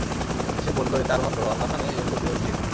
সে বলল, এতে আরোহণ কর, আল্লাহর নামে এর গতি ও স্থিতি।